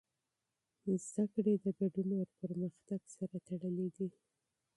تعلیم د ګډون او پرمختګ سره تړلی دی.